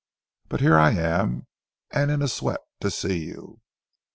But here I am and in a sweat to see you.